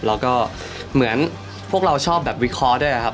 แล้วก็เหมือนพวกเราชอบแบบวิเคราะห์ด้วยครับ